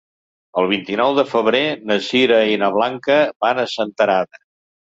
El vint-i-nou de febrer na Sira i na Blanca van a Senterada.